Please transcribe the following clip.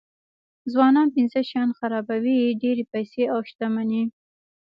ځوانان پنځه شیان خرابوي ډېرې پیسې او شتمني.